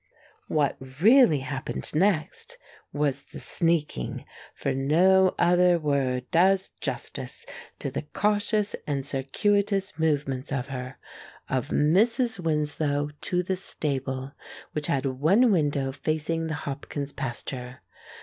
What really happened next was the sneaking (for no other word does justice to the cautious and circuitous movements of her) of Mrs. Winslow to the stable, which had one window facing the Hopkins pasture.